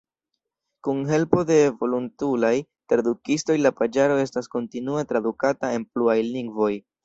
Kun helpo de volontulaj tradukistoj la paĝaro estas kontinue tradukata en pluaj lingvoj.